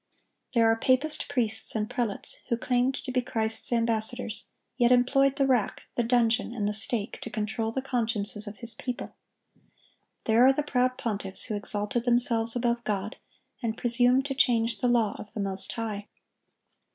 There are papist priests and prelates, who claimed to be Christ's ambassadors, yet employed the rack, the dungeon, and the stake to control the consciences of His people. There are the proud pontiffs who exalted themselves above God, and presumed to change the law of the Most High.